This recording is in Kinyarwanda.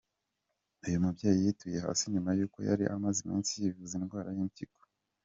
Uyu mubyeyi yituye hasi nyuma y’uko yari amaze iminsi yivuza indwara y’impyiko.